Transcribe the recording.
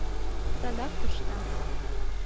Садак коршта!